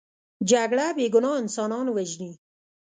جګړه بې ګناه انسانان وژني